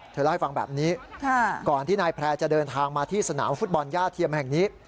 เล่าให้ฟังแบบนี้ก่อนที่นายแพร่จะเดินทางมาที่สนามฟุตบอลย่าเทียมแห่งนี้